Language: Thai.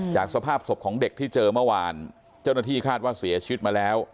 สภาพศพของเด็กที่เจอเมื่อวานเจ้าหน้าที่คาดว่าเสียชีวิตมาแล้ว